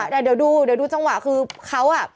เดี๋ยวดูเดี๋ยวดูจังหวะคือเขาอ่ะ